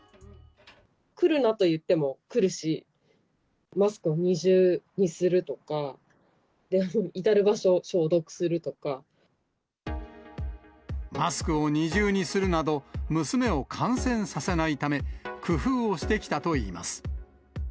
来るなと言っても来るし、マスクを二重にするとか、マスクを二重にするなど、娘を感染させないため、工夫をしてきたといいます。